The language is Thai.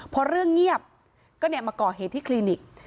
พอเรื่องเงียบก็มาก่อเหตุที่คลินิก